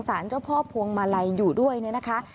สารเจ้าพ่อพวงมาลัยอยู่ด้วยนะคะ